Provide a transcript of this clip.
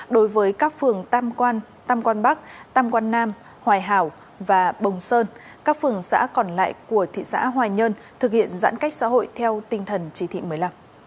đối với các phường tam quan tam quan bắc tam quan nam hoài hảo và bồng sơn các phường xã còn lại của thị xã hoài nhơn thực hiện giãn cách xã hội theo tinh thần chỉ thị một mươi năm